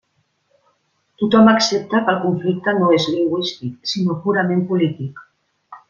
Tothom accepta que el conflicte no és lingüístic sinó purament polític.